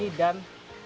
pertani dan peternak